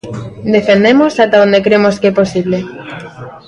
Defendemos ata onde cremos que é posible.